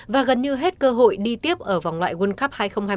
và gần như hết cơ hội đi tiếp ở vòng loại world cup hai nghìn hai mươi